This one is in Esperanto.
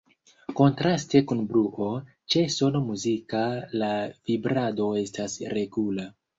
Kontraste kun bruo, ĉe sono muzika la vibrado estas regula.